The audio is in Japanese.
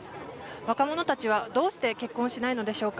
若者たちは、どうして結婚しないのでしょうか。